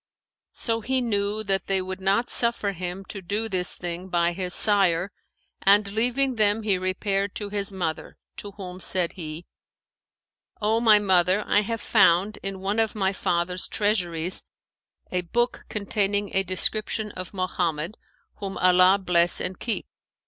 So he knew that they would not suffer him to do this thing by his sire and leaving them he repaired to his mother, to whom said he, 'O my mother, I have found, in one of my father's treasuries, a book containing a description of Mohammed (whom Allah bless and keep!)